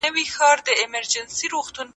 یو اړخ باید بې مسؤلیته نه وي.